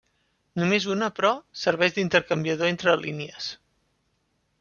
Només una però, serveix d'intercanviador entre línies.